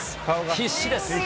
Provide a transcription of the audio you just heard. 必死です。